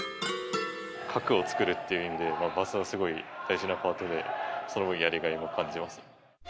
核を作るっていう意味で、バスはすごい大事なパートで、その分、やりがいも感じますね。